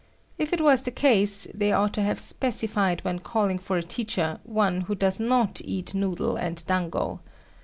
If it was the case, they ought to have specified when calling for a teacher one who does not eat noodle and dango.